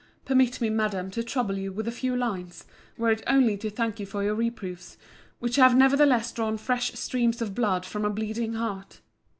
Permit me, Madam, to trouble you with a few lines, were it only to thank you for your reproofs; which have nevertheless drawn fresh streams of blood from a bleeding heart.